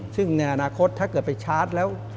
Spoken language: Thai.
ซึ่งในอนาคตถ้าเกิดไปชาร์จแล้ว